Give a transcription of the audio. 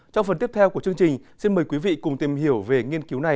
trong phần tiếp theo của chương trình xin mời quý vị cùng tìm hiểu về nghiên cứu này